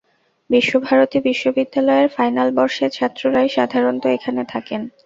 বিশ্বভারতী বিশ্ববিদ্যালয়ের ফাইনাল বর্ষের ছাত্ররাই সাধারণত এখানে থাকেন।